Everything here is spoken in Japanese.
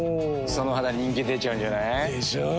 その肌人気出ちゃうんじゃない？でしょう。